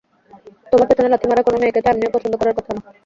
তোমার পেছনে লাথি মারা কোনও মেয়েকে তো এমনিতেও পছন্দ করার কথা না!